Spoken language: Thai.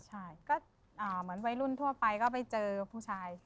ใช่ก็เหมือนวัยรุ่นทั่วไปก็ไปเจอผู้ชาย